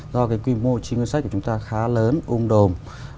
do cái quy mô chi ngân sách của chúng ta khá lớn ôm đồm